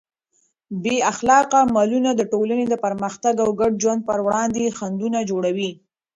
بې اخلاقه عملونه د ټولنې د پرمختګ او ګډ ژوند پر وړاندې خنډونه جوړوي.